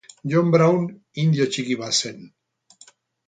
Jon Braun indio txiki bat zen.